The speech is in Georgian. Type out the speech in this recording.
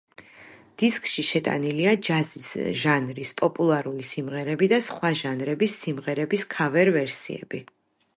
დისკში შეტანილია ჯაზის ჟანრის პოპულარული სიმღერები და სხვა ჟანრების სიმღერების ქავერ-ვერსიები.